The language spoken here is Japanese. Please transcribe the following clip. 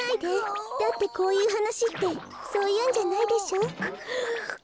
だってこういうはなしってそういうんじゃないでしょ？くっくっ。